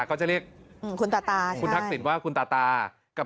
คุณทักษิณว่าคุณตาตา